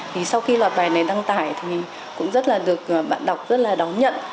thì sau khi lọt bài này đăng tải thì cũng rất là được bạn đọc rất là đón nhận